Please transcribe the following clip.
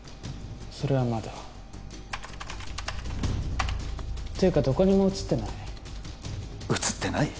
それはまだていうかどこにも写ってない写ってない？